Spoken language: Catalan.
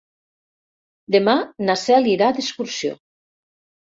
Demà na Cel irà d'excursió.